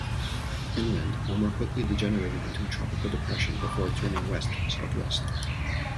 Inland, Omar quickly degenerated into a tropical depression before turning west-southwest.